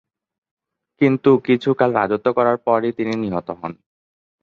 কিন্তু কিছুকাল রাজত্ব করার পরই তিনি নিহত হন।